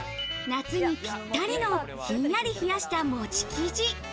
夏にぴったりの、ひんやり冷やしたモチ生地。